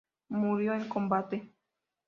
Murió en combate.